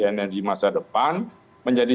energi masa depan menjadi